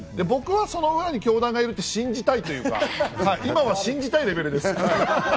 僕はその裏に教団がいると信じたいというか、今は信じたいレベルです。